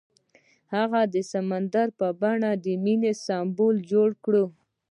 هغه د سمندر په بڼه د مینې سمبول جوړ کړ.